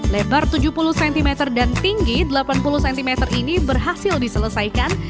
lebar tujuh puluh cm dan tinggi delapan puluh cm ini berhasil diselesaikan